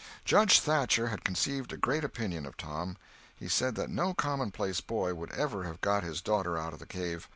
Judge Thatcher had conceived a great opinion of Tom. He said that no commonplace boy would ever have got his daughter out of the cave.